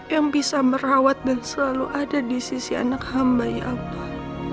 yang bisa merawat dan selalu ada di sisi anak hamba ya allah